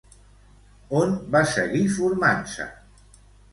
On va seguir formant-se?